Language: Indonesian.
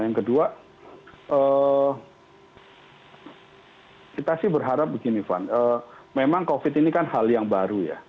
yang kedua kita sih berharap begini fann memang covid ini kan hal yang baru ya